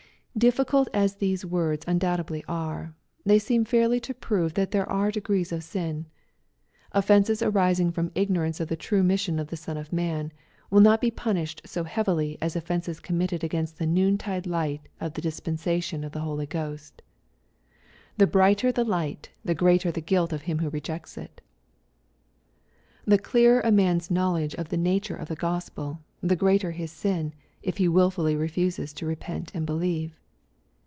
Difficult as these words un doubtedly are, they seem fairly to prove that there are degrees in sin. OiFences arising from ignorance of the true mission of the Son of Man, will not be punished so heavily as offences committed against the noontide light of the dispensation of the Holy Ghost. The brighter the light, the greater the guilt of him ^ho rejects it. The clearer a man's knowledge of the nature of the Gospel, the greater his sin, if he wilfully refuses to repent and beUeve.